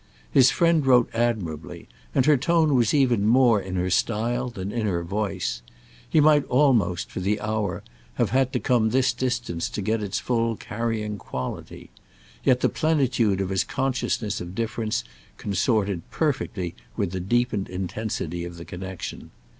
His friend wrote admirably, and her tone was even more in her style than in her voice—he might almost, for the hour, have had to come this distance to get its full carrying quality; yet the plentitude of his consciousness of difference consorted perfectly with the deepened intensity of the connexion.